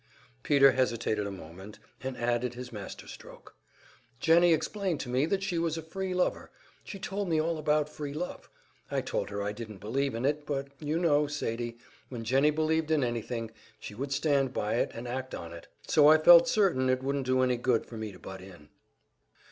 Peter hesitated a moment, and added his master stroke. "Jennie explained to me that she was a free lover; she told me all about free love. I told her I didn't believe in it, but you know, Sadie, when Jennie believed in anything, she would stand by it and act on it. So I felt certain it wouldn't do any good for me to butt in."